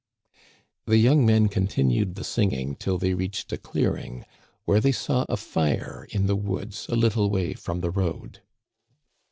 *" The young men continued the singing till they reached a clearing, where they saw a fire in the woods a little way from the road.